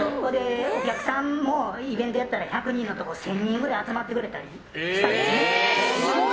お客さんもイベントをやったら１００人のところを１０００人くらい集まってくれたりしたんです。